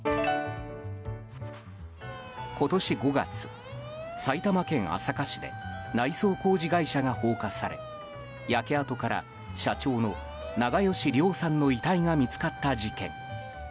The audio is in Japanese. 今年５月、埼玉県朝霞市で内装工事会社が放火され焼け跡から社長の長葭良さんの遺体が見つかった事件。